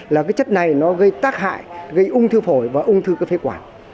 là cái chất này nó gây tác hại gây ung thư phổi và ung thư cơ phế quản